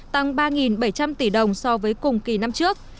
tăng ba bảy trăm linh tỷ đồng so với cùng kỳ năm trước